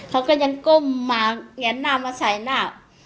เขาก็ยังก้มมาแงนหน้ามาใส่หน้า